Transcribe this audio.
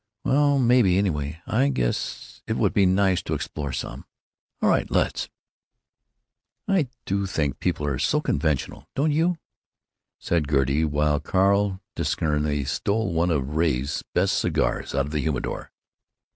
"Well, maybe; anyway, I guess it would be nice to explore some." "All right; let's." "I do think people are so conventional. Don't you?" said Gertie, while Carl discerningly stole one of Ray's best cigars out of the humidor.